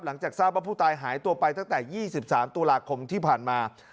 หลังจากทราบว่าผู้ตายหายตัวไปตั้งแต่๒๓ตุลาคมที่ผ่านมา